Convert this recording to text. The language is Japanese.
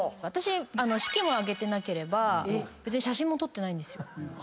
私式も挙げてなければ写真も撮ってないんですよ。